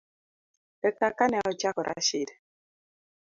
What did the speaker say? ekaka ne ochako Rashid